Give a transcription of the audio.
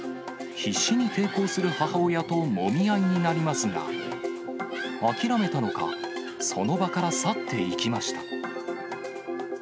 必死に抵抗する母親ともみ合いになりますが、諦めたのか、その場から去っていきました。